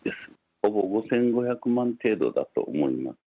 ほぼ５５００万円程度だと思います。